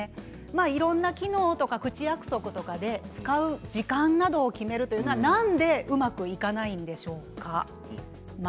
いろんな機能や口約束とかで使う時間などを決めるというのはなんでうまくいかないんでしょうか。